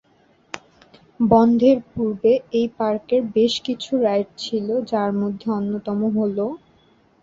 বন্ধের পূর্বে এই পার্কের বেশ কিছু রাইড ছিল, যার মধ্যে অন্যতম হলঃ